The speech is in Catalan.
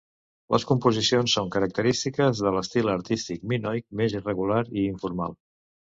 Les composicions són característiques de l'estil artístic minoic, més irregular i informal.